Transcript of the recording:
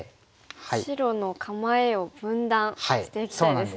白の構えを分断していきたいですね。